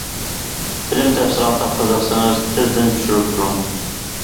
فىلىم تەپسىلاتىغا قىزىقسىڭىز تېزدىن چۈشۈرۈپ كۆرۈڭ.